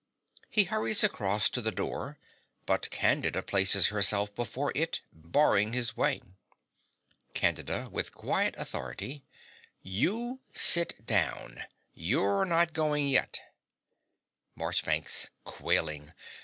.(He hurries across to the door; but Candida places herself before it, barring his way.) CANDIDA (with quiet authority). You sit down. You're not going yet. MARCHBANKS (quailing).